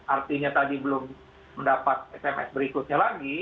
artinya tadi belum mendapat sms berikutnya lagi